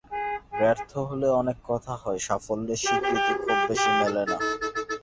ব্যর্থ হলে অনেক কথা হয়, সাফল্যের স্বীকৃতি খুব বেশি মেলে না।